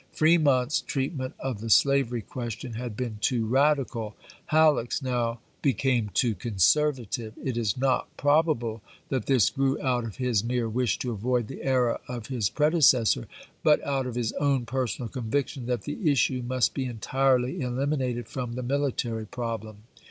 Fremont's treatment of the slavery ques tion had been too radical ; Halleck's now became too conservative. It is not probable that this grew out of his mere wish to avoid the error of his pre decessor, but out of his own personal con\dction that the issue must be entirely eliminated from the military problem.